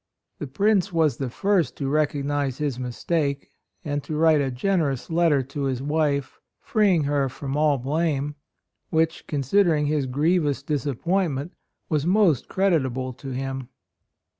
The Prince was the first to recognize his mistake and to write a generous letter to his wife, freeing her from all AND MOTHER. 53 blame; which, considering his grievous disappointment, was most creditable to him.